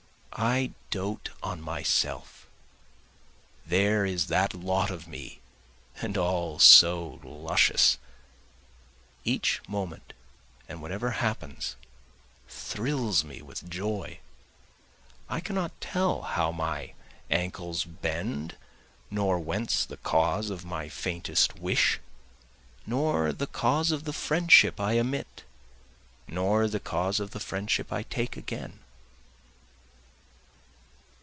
I dote on myself, there is that lot of me and all so luscious, Each moment and whatever happens thrills me with joy, I cannot tell how my ankles bend, nor whence the cause of my faintest wish, Nor the cause of the friendship I emit, nor the cause of the friendship I take again.